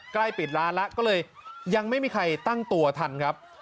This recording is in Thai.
ใกล้ปิดร้านแล้วก็เลยยังไม่มีใครตั้งตัวทันครับ